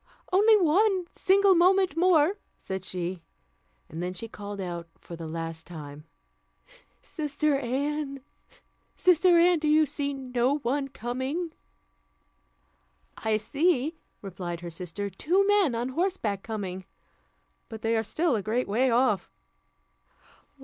"Only one single moment more," said she. And then she called out for the last time, "Sister Anne! sister Anne! do you see no one coming?" "I see," replied her sister, "two men on horseback coming; but they are still a great way off."